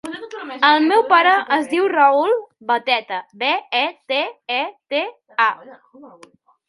El meu pare es diu Raül Beteta: be, e, te, e, te, a.